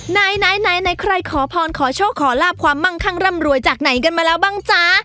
ไหนไหนใครขอพรขอโชคขอลาบความมั่งคั่งร่ำรวยจากไหนกันมาแล้วบ้างจ๊ะ